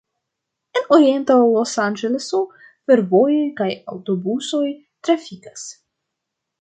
En Orienta Losanĝeleso fervojoj kaj aŭtobusoj trafikas.